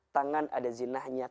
tangan ada zinahnya